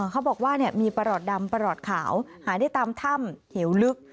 เขาบอกว่ามีประหลอดดำประหลอดขาวหาได้ตามถ้ำเหวลึก